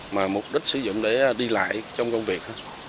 mà mục đích sử dụng để đi lại trong công việc